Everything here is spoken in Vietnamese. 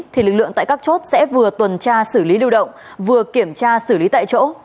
thì lực lượng tại các chốt sẽ vừa tuần tra xử lý lưu động vừa kiểm tra xử lý tại chỗ